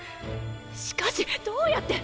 しかしどうやって！